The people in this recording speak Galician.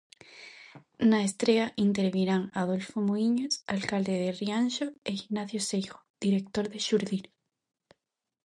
Na estrea intervirán Adolfo Muíños, alcalde de Rianxo e Ignacio Seijo, director de Xurdir.